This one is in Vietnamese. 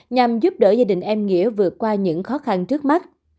nhằm giúp đỡ gia đình em nghĩa vượt qua những khó khăn trước mắt